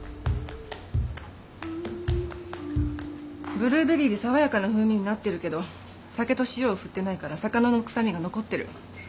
ブルーベリーで爽やかな風味になってるけど酒と塩を振ってないから魚の臭みが残ってる。